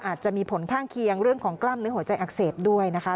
อาจจะมีผลข้างเคียงเรื่องของกล้ามเนื้อหัวใจอักเสบด้วยนะคะ